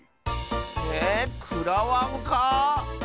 えくらわんか？